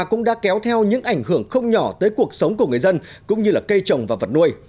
cũng đã kéo theo những ảnh hưởng không nhỏ tới cuộc sống của người dân cũng như là cây trồng và vật nuôi